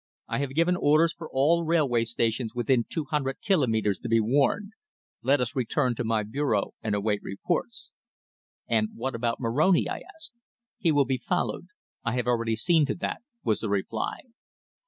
I have given orders for all railway stations within two hundred kilomètres to be warned. Let us return to my bureau and await reports." "And what about Moroni?" I asked. "He will be followed. I have already seen to that," was the reply.